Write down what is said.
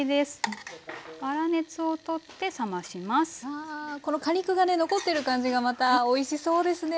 ああこの果肉がね残ってる感じがまたおいしそうですね。